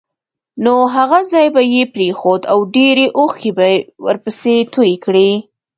نو هغه ځای به یې پرېښود او ډېرې اوښکې به یې ورپسې تویې کړې.